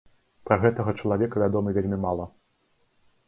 Пра гэтага чалавека вядома вельмі мала.